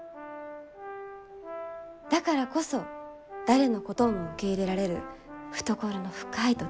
だからこそ誰のことも受け入れられる懐の深い土地です。